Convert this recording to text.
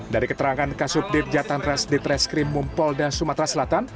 dari keterangan kasubdit jatantras ditreskrim mumpol dan sumatera selatan